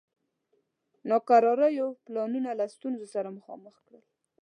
ناکراریو پلانونه له ستونزو سره مخامخ کړل.